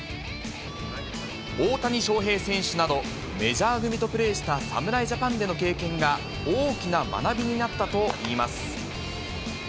大谷翔平選手など、メジャー組とプレーした侍ジャパンでの経験が、大きな学びになったといいます。